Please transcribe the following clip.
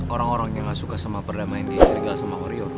orang orang yang nggak suka sama perlemahin di istri nggak sama koreo